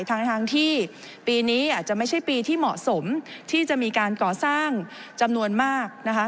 ทั้งที่ปีนี้อาจจะไม่ใช่ปีที่เหมาะสมที่จะมีการก่อสร้างจำนวนมากนะคะ